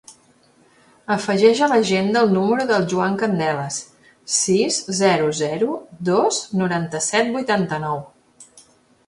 Afegeix a l'agenda el número del Joan Candelas: sis, zero, zero, dos, noranta-set, vuitanta-nou.